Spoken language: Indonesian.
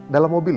dalam mobil ya